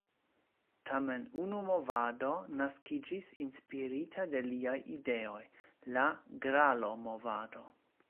Tamen unu movado naskiĝis inspirita de liaj ideoj: la "Gralo-movado".